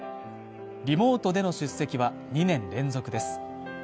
リモートでの出席は２年連続です。